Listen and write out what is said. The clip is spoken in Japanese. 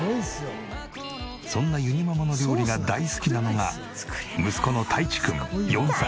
そんなゆにママの料理が大好きなのが息子のたいちくん４歳。